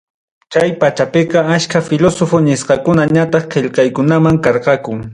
Chay pachapiqa achka Filósofo nisqakuna ñataq Qillqaqkunam karqaku.